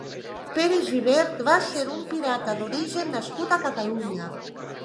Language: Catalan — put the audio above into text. Pere Gibert va ser un pirata d'origen nascut a Catalunya.